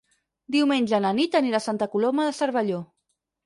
Diumenge na Nit anirà a Santa Coloma de Cervelló.